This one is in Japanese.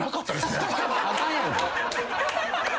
・あかんやろ。